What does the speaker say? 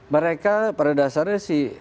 mereka pada dasarnya